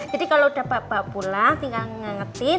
jadi kalau udah bapak pulang tinggal ngengetin